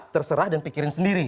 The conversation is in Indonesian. terserah dan pikirin sendiri